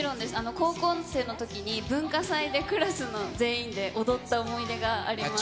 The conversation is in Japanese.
高校生のときに、文化祭でクラスの全員で踊った思い出があります。